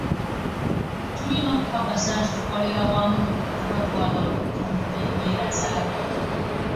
Tulina okukakasa nti tukolera wamu bwe tuba twagala okutumbula embeera z'abantu